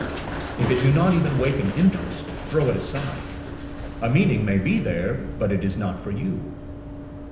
If it do not even wake an interest, throw it aside. A meaning may be there, but it is not for you.